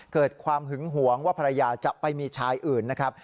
เกิดความหึงหวงว่าภรรยาจะไปมีชายอื่นนะครับ